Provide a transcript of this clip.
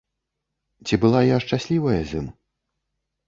Ці была я шчаслівая з ім?